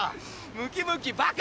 ムキムキバカ！